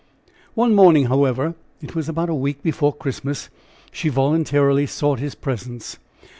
One morning, however it was about a week before Christmas she voluntarily sought his presence.